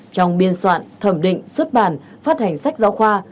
trong biên soạn thẩm định xuất bản phát hành sách giáo khoa